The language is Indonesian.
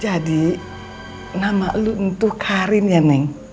jadi nama lo untuk karin ya neng